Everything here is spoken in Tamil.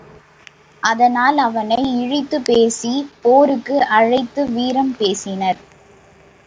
அதனால் அவனை இழித்துப் பேசிப் போருக்கு அழைத்து வீரம் பேசினர்.